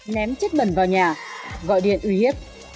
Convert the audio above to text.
ném chất bẩn vào nhà gọi điện uy hiếp